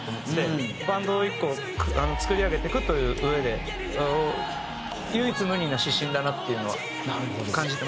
バンドを１個作り上げていくといううえで唯一無二な指針だなっていうのは感じてますね。